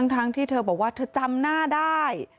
ทั้งที่เธอบอกว่าเธอจำหน้าได้